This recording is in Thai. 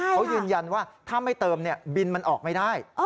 เขายืนยันว่าถ้าไม่เติมบินมันออกไม่ได้